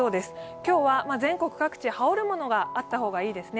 今日は全国各地、羽織るものがあった方がいいですね。